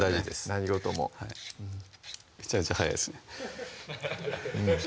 何事もめちゃめちゃ早いですね